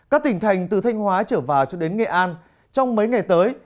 các tỉnh thành từ thanh hóa trở vào cho đến nghệ an trong mấy ngày tới